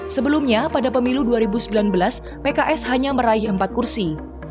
sebelumnya pada pemilu dua ribu sembilan belas pks hanya meraih empat kursi